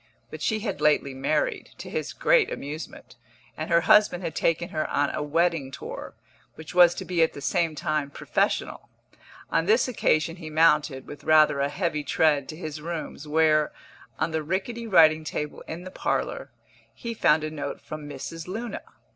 But she had lately married, to his great amusement, and her husband had taken her on a wedding tour, which was to be at the same time professional. On this occasion he mounted, with rather a heavy tread, to his rooms, where (on the rickety writing table in the parlour) he found a note from Mrs. Luna.